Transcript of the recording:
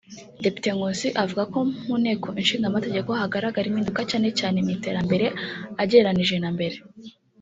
Depite Nkusi avuga ko mu nteko ishinga amategeko hagaragara impinduka cyane cyane mu iterambere agereranije na mbere